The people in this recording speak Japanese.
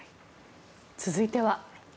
続いては。